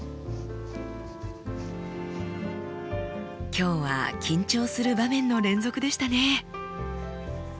今日は緊張する場面の連続でしたね。